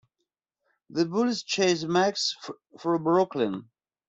The bullies chase Max through Brooklyn.